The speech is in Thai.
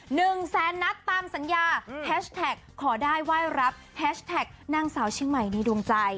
หนึ่งแสนนัดตามสัญญาอืมแฮชแท็กขอได้ไหว้รับแฮชแท็กนางสาวเชียงใหม่ในดวงใจ